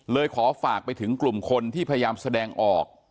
ขอฝากไปถึงกลุ่มคนที่พยายามแสดงออก